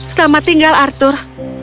selamat tinggal arthur